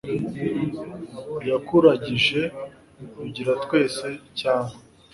yakuragije; rugira twese.. cyangwa